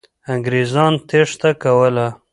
انګریزان تېښته کوله.